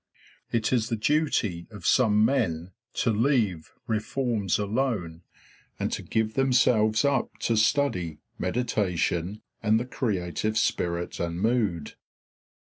It is the duty of some men to leave reforms alone, and to give themselves up to study, meditation, and the creative spirit and mood.